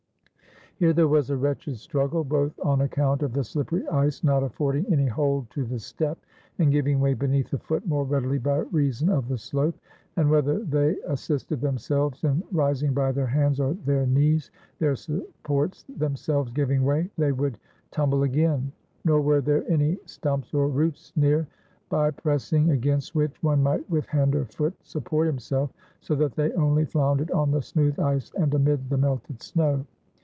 Here there was a wretched strug gle, both on account of the shppery ice not affording any hold to the step, and giving way beneath the foot more readily by reason of the slope; and whether they as sisted themselves in rising by their hands or their knees, their supports themselves giving way, they would tum ble again; nor were there any stumps or roots near, by pressing against which, one might with hand or foot sup port himself ; so that they only floundered on the smooth ice and amid the melted snow.